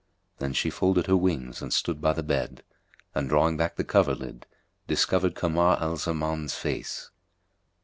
Then she folded her wings and stood by the bed and, drawing back the coverlid, discovered Kamar al Zaman's face.